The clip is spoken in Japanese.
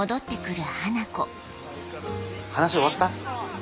話終わった？